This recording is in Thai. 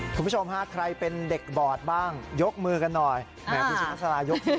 คุณผู้ชมฮะใครเป็นเด็กบอร์ดบ้างยกมือกันหน่อยอ่า